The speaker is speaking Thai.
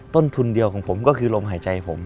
ต้นทุนเดียวของผมก็คือลมหายใจผม